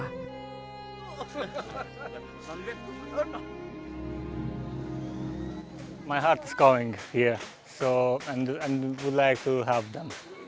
hati saya berada di sini dan saya ingin membantu mereka